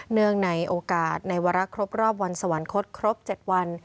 เนื่องในโอกาสในวาระครบรอบวันสวรรคตครบ๗วัน